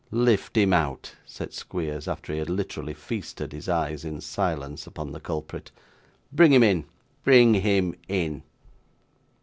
'Lift him out,' said Squeers, after he had literally feasted his eyes, in silence, upon the culprit. 'Bring him in; bring him in!